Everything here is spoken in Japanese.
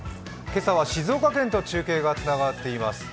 今朝は静岡県と中継がつながっています。